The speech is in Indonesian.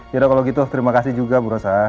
yaudah kalo gitu terima kasih juga bu rosa